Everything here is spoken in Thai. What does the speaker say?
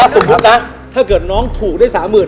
สมมุตินะสมมุตินะถ้าเกิดน้องถูกได้๓หมื่น